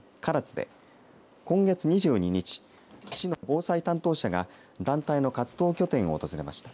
ＫＡＲＡＴＳＵで今月２２日市の防災担当者が団体の活動拠点を訪れました。